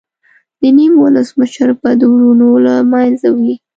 د نیم ولس مشر به د ورونو له منځه وي.